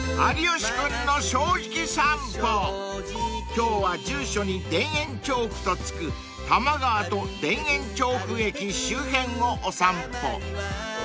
［今日は住所に田園調布と付く多摩川と田園調布駅周辺をお散歩］